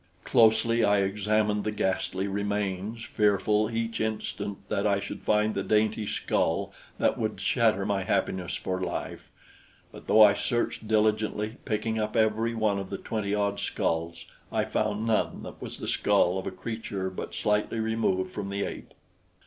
Closely I examined the ghastly remains fearful each instant that I should find the dainty skull that would shatter my happiness for life; but though I searched diligently, picking up every one of the twenty odd skulls, I found none that was the skull of a creature but slightly removed from the ape.